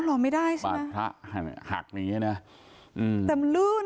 อ๋อหรอไม่ได้ใช่ไหม